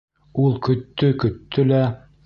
Ул көттө-көттө лә...